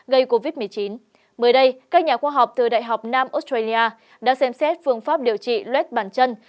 gây covid một mươi chín mới đây các nhà khoa học từ đại học nam australia đã xem xét phương pháp điều trị luét bản chân